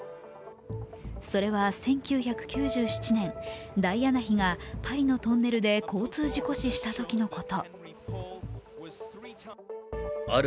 それは１９９７年、ダイアナ妃がパリのトンネルで交通事故死したときのこと。